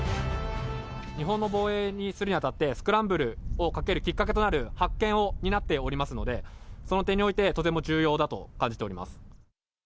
日本の防衛にするにあたって、スクランブルをかけるきっかけとなる発見を担っておりますので、その点において、とても重要だと感じております。